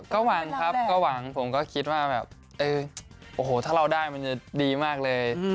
ก็หวังครับก็หวังผมก็คิดว่าแบบโอ้โหถ้าเราได้มันจะดีมากเลย